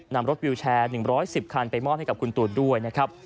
นำรถวิวแชร์๑๑๐คันไปมอบให้กับคุณตูนด้วยนะครับ